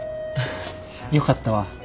よかったわ。